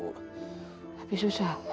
tapi susah gak ngemis bu